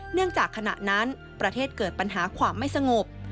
เนื่องจากขณะนั้นประเทศเกิดปัญหาความไม่สงบ